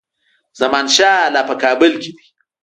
زمانشاه لا په کابل کې دی.